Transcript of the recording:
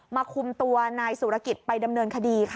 คุมตัวนายสุรกิจไปดำเนินคดีค่ะ